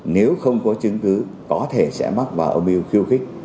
nếu không có chứng cứ có thể sẽ mắc vào âm mưu khiêu khích